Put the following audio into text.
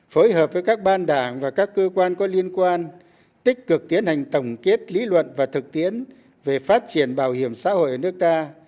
phối hợp với các ban đảng và các cơ quan có liên quan tích cực tiến hành tổng kết lý luận và thực tiễn về phát triển bảo hiểm xã hội ở nước ta